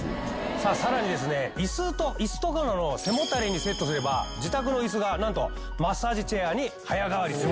さあさらにですね椅子とかの背もたれにセットすれば自宅の椅子がなんとマッサージチェアに早変わり。